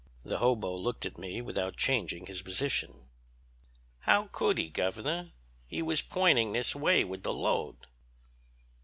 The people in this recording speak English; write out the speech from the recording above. "The hobo looked at me without changing his position. "'How could he, Governor; he was pointin' this way with the load?'